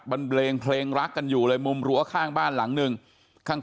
บันเลงเครงรักกันอยู่เลยมุมหลักข้างบ้านหลังหนึ่ง